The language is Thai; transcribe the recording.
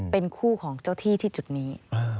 เป็นคู่ของเจ้าที่ที่จุดนี้